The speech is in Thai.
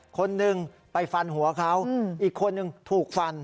คนหนึ่งไปฟันหัวเขาอีกคนนึงถูกฟัน